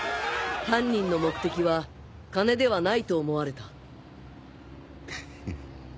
犯人の目的は金ではないと思われたフッ。